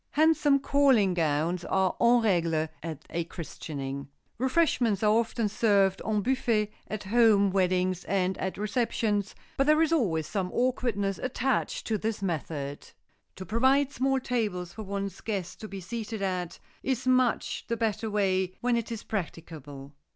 Handsome calling gowns are en règle at a christening. Refreshments are often served en buffet at home weddings and at receptions but there is always some awkwardness attached to this method. To provide small tables for one's guests to be seated at is much the better way when it is practicable.